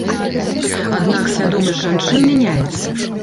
Аднак свядомасць жанчын мяняецца.